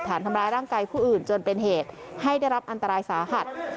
ฐานทำร้ายร่างกายผู้อื่นจนเป็นเหตุให้ได้รับอันตรายสาหัส